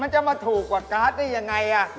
มันจะมาถูกกว่าก๊าซได้อย่างไรอะ